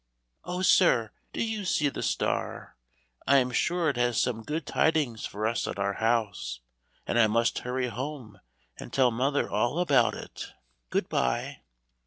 "Oh, sir; do you see the star? I am sure it has some 'good tidings' for us at our house, and I must hurry home and tell mother all about it. Good bye."